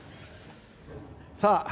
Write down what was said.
さあ